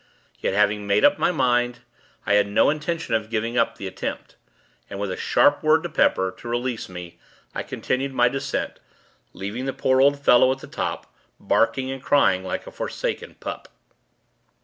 Yet, having made up my mind, I had no intention of giving up the attempt; and, with a sharp word to Pepper, to release me, I continued my descent, leaving the poor old fellow at the top, barking and crying like a forsaken pup.